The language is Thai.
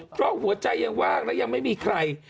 เพราะหัวใจยังว่างและยังไม่มีใคร